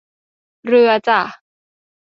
เรือจ้ะ